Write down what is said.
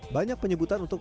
banyak penyebutan untuk